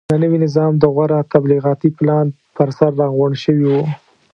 د نوي نظام د غوره تبلیغاتي پلان پرسر راغونډ شوي وو.